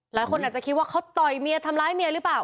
หลายคนอาจจะคิดว่าเขาต่อยเมียทำร้ายเมียหรือเปล่า